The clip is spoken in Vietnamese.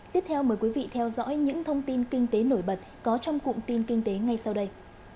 tiếp theo mời quý vị theo dõi những thông tin kinh tế nổi bật có trong cụm tin kinh tế ngay sau đây